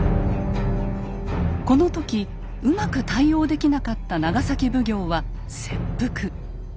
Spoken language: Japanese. この時うまく対応できなかった長崎奉行は切腹。